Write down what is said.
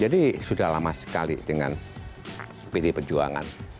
jadi sudah lama sekali dengan pdi perjuangan